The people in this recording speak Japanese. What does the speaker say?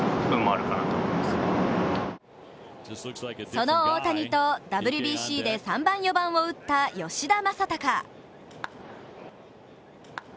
その大谷とＷＢＣで３番、４番を打った吉田正尚。